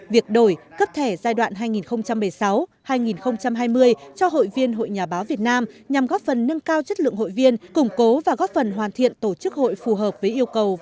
việc đổi cấp thẻ giai đoạn hai nghìn một mươi sáu hai nghìn hai mươi cho hội viên hội nhà báo việt nam nhằm góp phần nâng cao chất lượng hội viên củng cố và góp phần hoàn thiện tổ chức hội phù hợp với yêu cầu